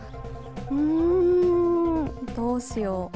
うーん、どうしよう。